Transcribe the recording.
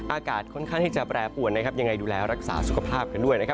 อากาศค่อนข้างที่จะแปรปวนนะครับยังไงดูแลรักษาสุขภาพกันด้วยนะครับ